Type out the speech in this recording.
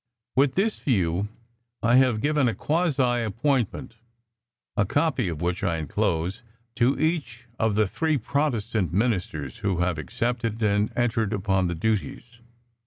With this view I have given a sort of quasi appointment (a copy of which I enclose) to each of three Protestant ministers, who have accepted and entered upon the duties.